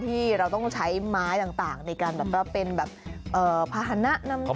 ที่เราต้องใช้ไม้ต่างในการเป็นแบบพาหนะนำกาล